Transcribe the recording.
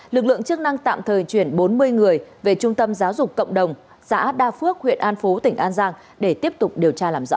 lực lượng chức năng tạm thời chuyển bốn mươi người về trung tâm giáo dục cộng đồng xã đa phước huyện an phú tỉnh an giang để tiếp tục điều tra làm rõ